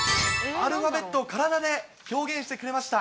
アルファベットを体で表現してくれました。